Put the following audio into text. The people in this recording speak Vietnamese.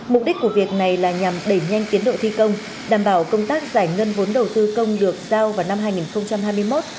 mục đích của việc này là nhằm đẩy nhanh tiến độ thi công đảm bảo công tác giải ngân vốn đầu tư công được giao vào năm hai nghìn hai mươi một